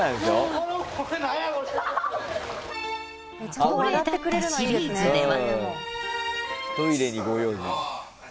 恒例だったシリーズでは。